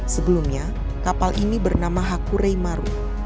sebelumnya kapal ini bernama hakurai maru